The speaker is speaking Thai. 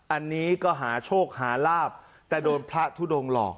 อันนี้ก็หาโชคหาลาบแต่โดนพระทุดงหลอก